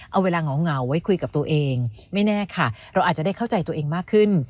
เอาเวลาเหงาไว้คุยกับตัวเองไม่แน่ค่ะเราอาจจะได้เข้าใจตัวเองมากขึ้น